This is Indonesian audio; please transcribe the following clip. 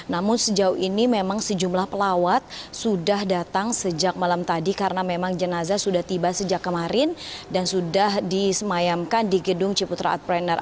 namun sejauh ini memang sejumlah pelawat sudah datang sejak malam tadi karena memang jenazah sudah tiba sejak kemarin dan sudah disemayamkan di gedung ciputra artpreneur